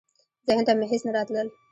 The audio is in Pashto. ذهن ته مي هیڅ نه راتلل .